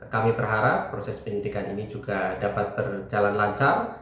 kami berharap proses penyidikan ini juga dapat berjalan lancar